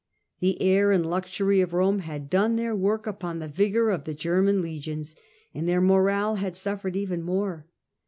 The air and luxury of Rome had done their work upon the vigour of the German legions, and their morale had suffered even more.